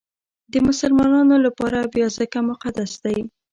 د مسلمانانو لپاره بیا ځکه مقدس دی.